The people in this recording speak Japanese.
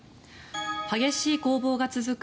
激しい攻防が続く